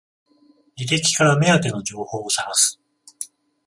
履歴から目当ての情報を探す